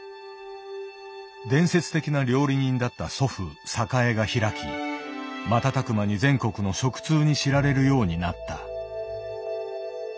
伝説的な料理人だった祖父栄が開き瞬く間に全国の食通に知られるようになった。